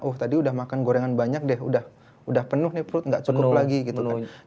oh tadi udah makan gorengan banyak deh udah penuh nih perut nggak cukup lagi gitu kan